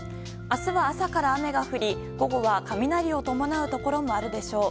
明日は朝から雨が降り、午後は雷を伴うところもあるでしょう。